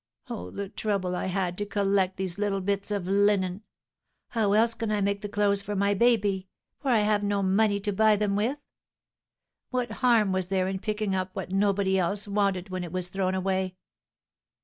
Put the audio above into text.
Oh, the trouble I had to collect these little bits of linen! How else can I make the clothes for my baby, for I have no money to buy them with? What harm was there in picking up what nobody else wanted when it was thrown away?"